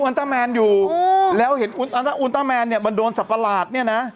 อูนเตอร์แมนอยู่แล้วเห็นอูนเตอร์แมนนี่มันโดนสัปปะหลาดนี่นะ